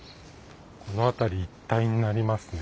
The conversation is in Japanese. この辺り一帯になりますね。